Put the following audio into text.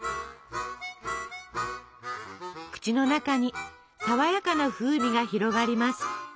口の中に爽やかな風味が広がります。